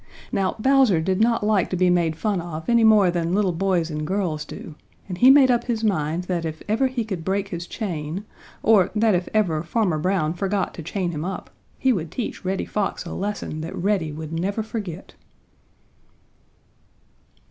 Now Bowser did not like to be made fun of any more than little boys and girls do, and he made up his mind that if ever he could break his chain, or that if ever Farmer Brown forgot to chain him up, he would teach Reddy Fox a lesson that Reddy would never forget.